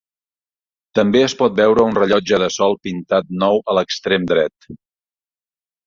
També es pot veure un rellotge de sol pintat nou a l'extrem dret.